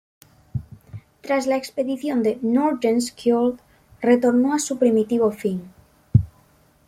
Tras la expedición de Nordenskiöld, retornó a su primitivo fin.